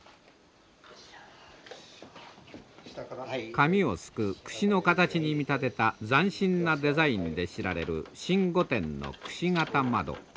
髪をすくの形に見立てた斬新なデザインで知られる新御殿の形窓。